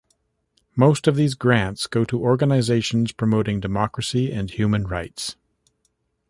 Most of these grants go to organizations promoting democracy and human rights.